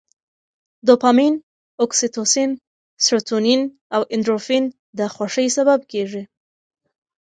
دوپامین، اکسي توسین، سروتونین او اندورفین د خوښۍ سبب کېږي.